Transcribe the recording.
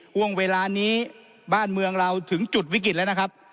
ห่วงเวลานี้บ้านเมืองเราถึงจุดวิกฤตแล้วนะครับ